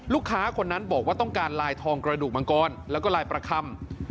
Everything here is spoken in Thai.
ลูกค้าคนนั้นบอกว่าต้องการลายทองกระดูกมังกรแล้วก็ลายประคำ